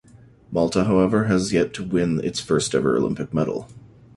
Malta, however, has yet to win its first ever Olympic medal.